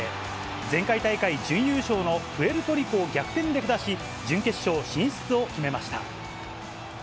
前回大会準優勝のプエルトリコを逆転で下し、準決勝進出を決めました。